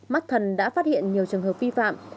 mắc thần đã phát hiện nhiều trường hợp vi phạm